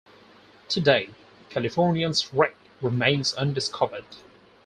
To date, "Californian"s wreck remains undiscovered.